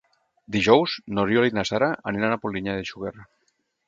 Dijous n'Oriol i na Sara aniran a Polinyà de Xúquer.